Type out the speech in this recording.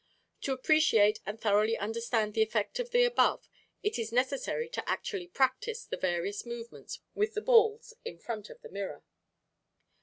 To appreciate and thoroughly understand the effect of the above, it is necessary to actually practice the various movements with the balls in front of the mirror.